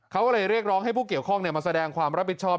เขาก็เลยเรียกร้องให้ผู้เกี่ยวข้องมาแสดงความรับผิดชอบ